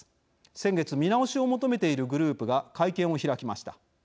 先月、見直しを求めているグループが会見を開きました。